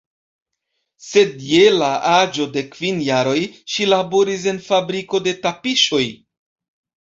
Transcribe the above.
Sed je la aĝo de kvin jaroj, ŝi laboris en fabriko de tapiŝoj.